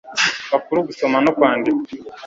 bakuru gusoma no kwandika